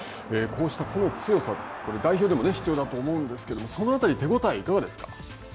こうした強さ代表でも必要だと思うんですけれども、そのあたり手応えはいかがですか。